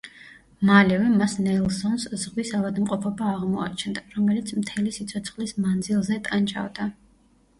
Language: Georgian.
მალევე მას ნელსონს ზღვის ავადმყოფობა აღმოაჩნდა, რომელიც მთელი სიცოცხლის მანძილზე ტანჯავდა.